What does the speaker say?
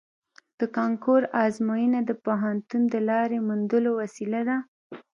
د کانکور ازموینه د پوهنتون د لارې موندلو وسیله ده